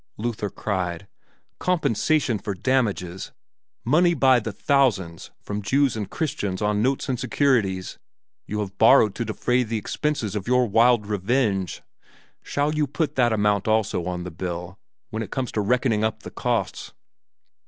Luther cried, "Compensation for damages! Money by the thousands, from Jews and Christians, on notes and securities, you have borrowed to defray the expenses of your wild revenge! Shall you put that amount also on the bill when it comes to reckoning up the costs?"